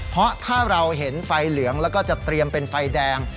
เพราะถ้าเราเห็นไฟเหลืองแล้วก็จะเตรียมเป็นไฟแดง